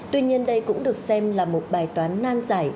tuy nhiên đây cũng được xem là một bài toán nan giải